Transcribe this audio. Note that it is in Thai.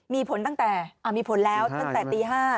มีผลตั้งแต่มีผลแล้วตั้งแต่ตี๕